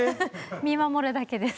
見守るだけです。